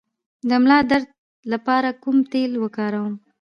د ملا درد لپاره کوم تېل وکاروم؟